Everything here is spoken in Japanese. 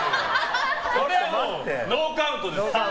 これはノーカウントです。